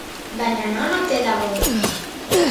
Baina non ote dago?